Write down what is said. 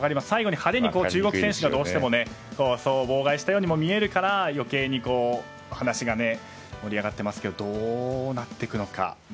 最後に派手に中国選手が妨害したようにも見えるから余計に話が盛り上がっていますけどどうなっていくのか。